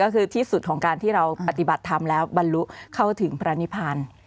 ก็คือที่สุดของการที่เราปฏิบัติธรรมแล้วบรรลุเข้าถึงพระนิพันธ์